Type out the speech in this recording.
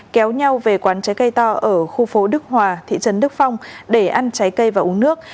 kéo nhau về quán trái cây to ở khu phố đức hòa thị trấn đức phong để ăn trái cây và uống nước